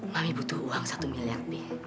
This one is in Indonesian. mami butuh uang satu miliar bi